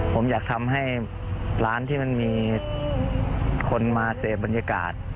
ผมอยากทำให้ร้านที่มันมีคนมาเสพบรรยากาศ